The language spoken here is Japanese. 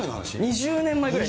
２０年前ぐらい。